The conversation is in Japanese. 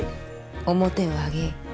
面を上げい。